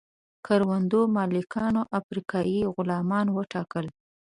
کروندو مالکانو افریقایي غلامان وټاکل.